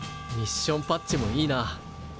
ミッションパッチもいいな。